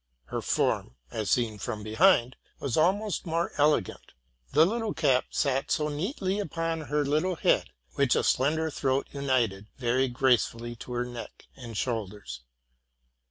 Her form, as seen from behind, was almost more elegant. The little cap sat so neatly upon her little head, which a slender throat united very gracefully to her neck and shoulders.